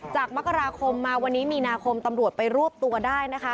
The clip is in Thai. จากมกราคมมาวันนี้มีนาคมตำรวจไปรวบตัวได้นะคะ